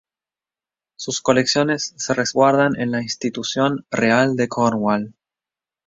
Sus colecciones se resguardan en la Institución Real de Cornwall.